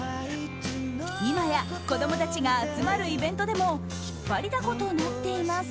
今や子供たちが集まるイベントでも引っ張りだことなっています。